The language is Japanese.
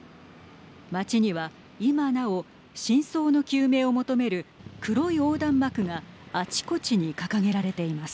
街には今なお真相の究明を求める黒い横断幕があちこちに掲げられています。